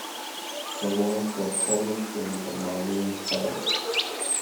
The walls were polished in the Mauryan style.